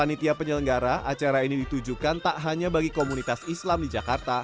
panitia penyelenggara acara ini ditujukan tak hanya bagi komunitas islam di jakarta